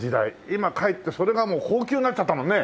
今かえってそれがもう高級になっちゃったもんね。